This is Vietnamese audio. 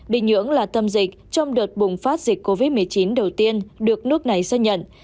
bình nhưỡng là tâm dịch trong đợt bùng phát dịch covid một mươi chín đầu tiên được nước này xác nhận